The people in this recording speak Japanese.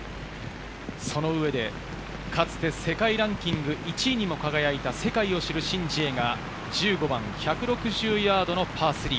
その上でかつて世界ランキング１位にも輝いた世界を知るシン・ジエが１５番、１６０ヤードのパー３。